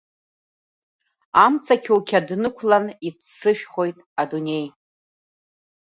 Амца қьоуқьад нықәлан, иццышәхоит Адунеи!